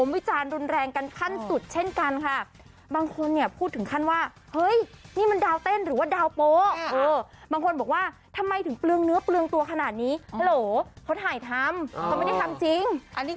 บางคนเนี่ยพูดถึงขั้นว่าเฮ้ยนี่มันดาวเต้นหรือว่าดาวโป๊ะบางคนบอกว่าทำไมถึงเปลืองเนื้อเปลืองตัวขนาดนี้เขาถ่ายทำก็ไม่ได้ทำจริง